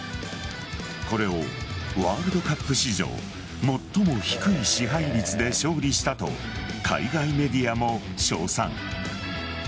これをワールドカップ史上最も低い支配率で勝利したと海外メディアも称賛。